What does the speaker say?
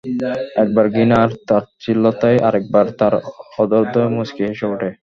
একবার ঘৃণা আর তাচ্ছিল্যতায়, আরেকবার তার অধরদ্বয় মুচকি হেসে ওঠে।